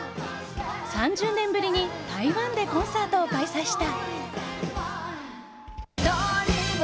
３０年ぶりに台湾でコンサートを開催した。